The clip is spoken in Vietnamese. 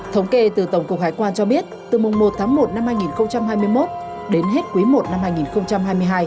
thống kê từ tổng cục hải quan cho biết từ mùng một tháng một năm hai nghìn hai mươi một đến hết quý i năm hai nghìn hai mươi hai